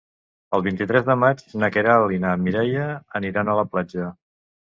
El vint-i-tres de maig na Queralt i na Mireia aniran a la platja.